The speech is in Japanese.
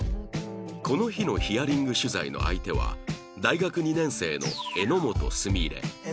この日のヒアリング取材の相手は大学２年生の榎本すみれ